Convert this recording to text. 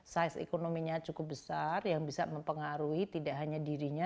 size ekonominya cukup besar yang bisa mempengaruhi tidak hanya dirinya